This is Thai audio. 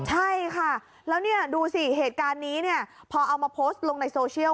ใช่ค่ะแล้วดูสิเหตุการณ์นี้พอเอามาพดลงในโซเชียล